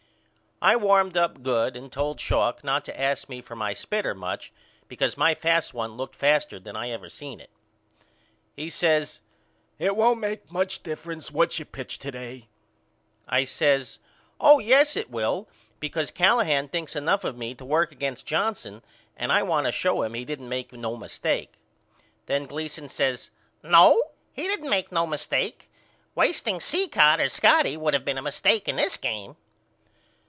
I warmed up good and told Schalk not to ask me for my spitter much because my fast one looked faster than I ever seen it. He says it won't make much difference what you pitch to day. I says Oh, yes, it will because Callahan thinks enough of me to work me against Johnson and I want to show him he didn't make no mistake. Then Gleason says No he didn't make no mistake. Wasteing Cicotte or Scotty would of been a mistake in this game.